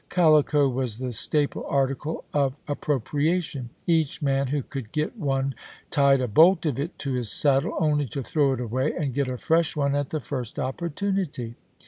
.. Calico was the staple article of ap propriation — each man who could get one tied a bolt of it to his saddle, only to throw it away and get a fresh one at the first opportunity.